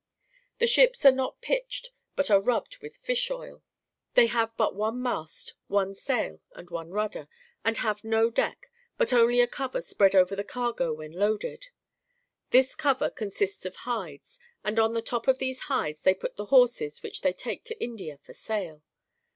The ships are not pitched, but are rubbed with fish oil. They have one mast, one sail, and one rudder, and have no deck, but only a cover spread over the cargo when loaded. This cover consists of hides, and on the top of these hides they put the horses which they take to India for sale.